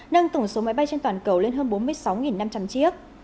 nâng tổng số máy bay trên toàn cầu lên hơn bốn mươi sáu năm trăm linh chiếc